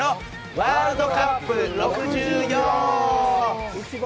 ワールドカップ６４。